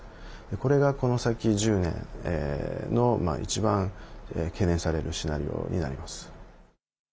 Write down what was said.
これが、この先１０年の一番懸念されるシナリオになります。